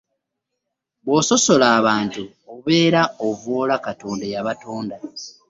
Bw'ososola abantu obeera ovvoola katonda eyabatonda.